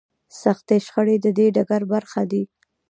سختې شخړې د دې ډګر برخه دي.